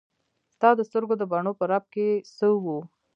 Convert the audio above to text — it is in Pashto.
ستا د سترګو د بڼو په رپ کې څه وو.